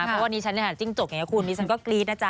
เพราะวันนี้ฉันจิ้งจกอย่างนี้คุณดิฉันก็กรี๊ดนะจ๊